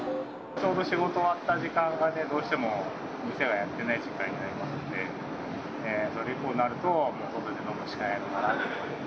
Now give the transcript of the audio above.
ちょうど仕事終わった時間が、どうしても店はやってない時間になりますので、それ以降になると、外で飲むしかないのかなって。